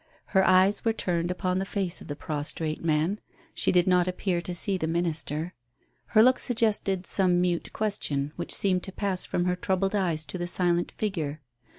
Her eyes were turned upon the face of the prostrate man; she did not appear to see the minister. Her look suggested some mute question, which seemed to pass from her troubled eyes to the silent figure.